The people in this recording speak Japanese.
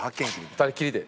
２人っきりで？